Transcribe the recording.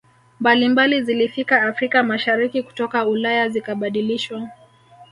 mbalimbali zilifika Afrika Mashariki kutoka Ulaya zikabadilishwa